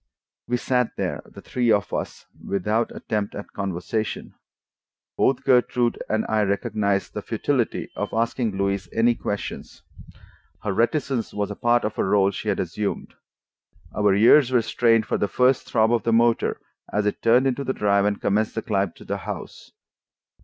We sat there, the three of us, without attempt at conversation. Both Gertrude and I recognized the futility of asking Louise any questions: her reticence was a part of a role she had assumed. Our ears were strained for the first throb of the motor as it turned into the drive and commenced the climb to the house.